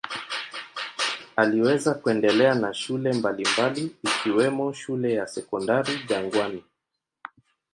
Aliweza kuendelea na shule mbalimbali ikiwemo shule ya Sekondari Jangwani.